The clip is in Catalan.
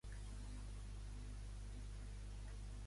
Quin era el contingut l'ampolla?